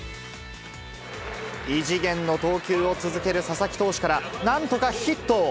異次元の投球を続ける佐々木投手から、なんとかヒットを。